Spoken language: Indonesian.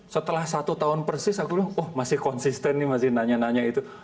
setelah satu tahun persis aku bilang oh masih konsisten nih masih nanya nanya itu